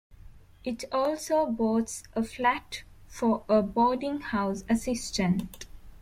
It also boasts a flat for a boarding house assistant.